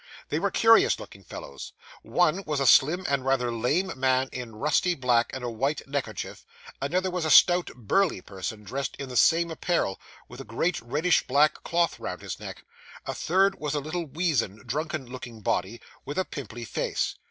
They were curious looking fellows. One was a slim and rather lame man in rusty black, and a white neckerchief; another was a stout, burly person, dressed in the same apparel, with a great reddish black cloth round his neck; a third was a little weazen, drunken looking body, with a pimply face.